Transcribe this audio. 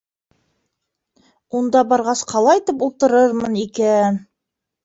Унда барғас, ҡалайтып ултырырмын икән.